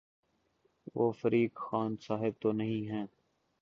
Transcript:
وہ فریق خان صاحب تو نہیں ہیں۔